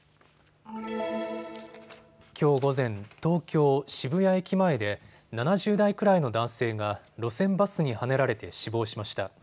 きょう午前、東京渋谷駅前で７０代くらいの男性が路線バスにはねられて死亡しました。